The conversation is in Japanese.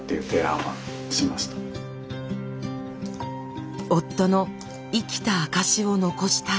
うん何か夫の生きた証しを残したい。